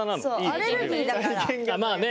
まあね